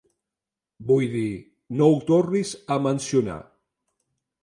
Vull dir, no ho tornis a mencionar.